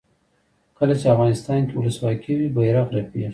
کله چې افغانستان کې ولسواکي وي بیرغ رپیږي.